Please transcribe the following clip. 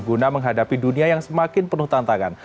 guna menghadapi dunia yang semakin penuh tantangan